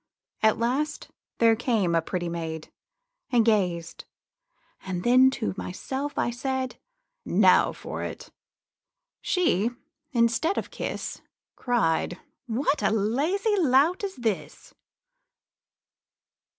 At last there came a pretty maid, And gazed; then to myself I said, 'Now for it!' She, instead of kiss, Cried, 'What a lazy lout is this!'